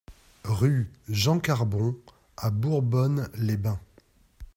Rue Jean Carbon à Bourbonne-les-Bains